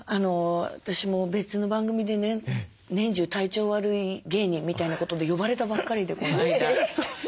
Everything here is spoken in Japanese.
私も別の番組でね「年中体調悪い芸人」みたいなことで呼ばれたばっかりでこの間。